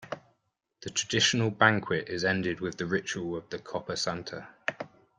The traditional banquet is ended with the ritual of the "Copa Santa".